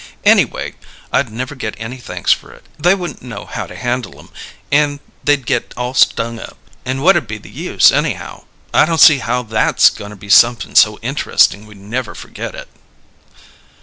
Anyway, I'd never get any thanks for it; they wouldn't know how to handle 'em, and they'd get all stung up: and what'd be the use, anyhow? I don't see how that's goin' to be somep'n so interesting we'd never forget it."